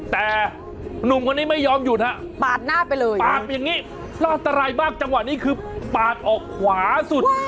แต่หนุ่มคนนี้ไม่ยอมหยุดฮะปาดหน้าไปเลยปาดอย่างนี้รอดตายมากจังหวะนี้คือปาดออกขวาสุด